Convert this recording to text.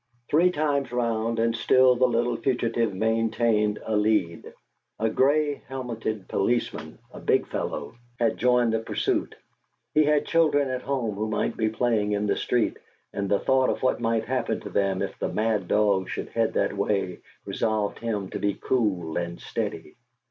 Three times round, and still the little fugitive maintained a lead. A gray helmeted policeman, a big fellow, had joined the pursuit. He had children at home who might be playing in the street, and the thought of what might happen to them if the mad dog should head that way resolved him to be cool and steady.